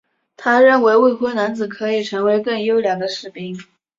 他认为未婚男子可以成为更优良的士兵。